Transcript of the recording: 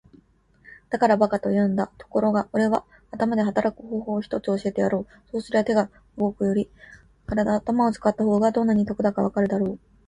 「だから馬鹿と言うんだ。ところがおれは頭で働く方法を一つ教えてやろう。そうすりゃ手で働くより頭を使った方がどんなに得だかわかるだろう。」